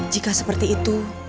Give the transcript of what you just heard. jika seperti itu